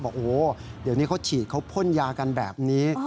บอกโอ้โหเดี๋ยวนี้เขาฉีดเขาพ่นยากันแบบนี้